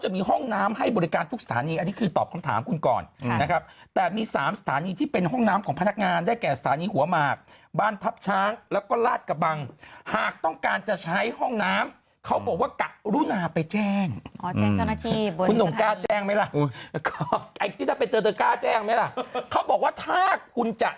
มีห้องน้ำให้บริการทุกสถานีอันนี้คือตอบคำถามคุณก่อนนะครับแต่มีสามสถานีที่เป็นห้องน้ำของพนักงานได้แก่สถานีหัวมากบ้านทับช้างแล้วก็ราชกระบังหากต้องการจะใช้ห้องน้ำเขาบอกว่ากะลุนาไปแจ้งอ๋อแจ้งเช่านักทีบริสุทธิบุริสุทธิบุริสุทธิบุริสุทธิบุริสุทธิบุริส